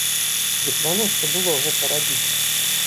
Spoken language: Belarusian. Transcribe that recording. Дык навошта было гэта рабіць?